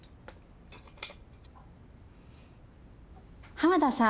濱田さん